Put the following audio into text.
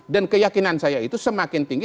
dan keyakinan saya itu semakin tinggi